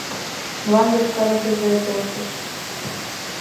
Мылам йошкаргыже келшыш.